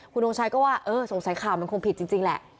คุณทงชัยก็ว่าเออสงสัยข่าวมันคงผิดจริงแหละ